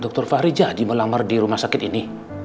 dokter fahri jadi melamar di rumah sakit ini